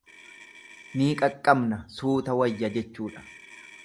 Ni qaqqabna, suuta wayya jechuudha.